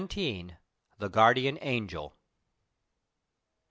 THE GUARDIAN ANGEL.